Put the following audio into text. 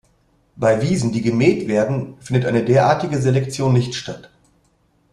Bei Wiesen, die gemäht werden, findet eine derartige Selektion nicht statt.